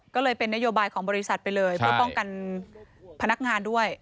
ก็เลยเป็นนโยบายของบริษัทไปเลยเพื่อป้องกันพนักงานด้วย